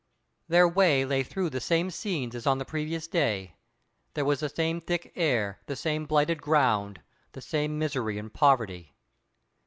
Their way lay through the same scenes as on the previous day. There was the same thick air, the same blighted ground, the same misery and poverty.